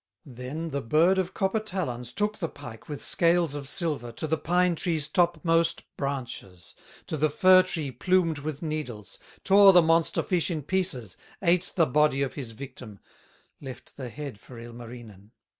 Then the bird of copper talons Took the pike, with scales of silver, To the pine tree's topmost branches, To the fir tree plumed with needles, Tore the monster fish in pieces, Ate the body of his victim, Left the head for Ilmarinen.